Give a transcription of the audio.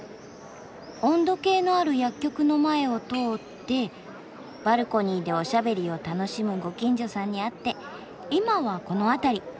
温度計のある薬局の前を通ってバルコニーでおしゃべりを楽しむご近所さんに会って今はこの辺り。